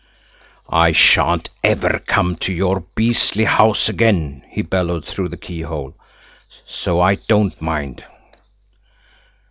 "I shan't ever come to your beastly house again," he bellowed through the keyhole, "so I don't mind."